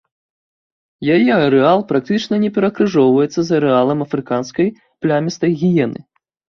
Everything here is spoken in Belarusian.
Яе арэал практычна не перакрыжоўвацца з арэалам афрыканскай плямістай гіены.